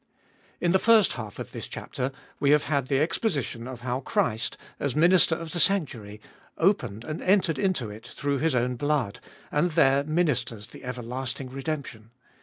In the first half of this chapter we have had the exposition of how Christ, as Minister of the sanctuary, opened and entered into it through His own blood, and there ministers the everlasting redemption.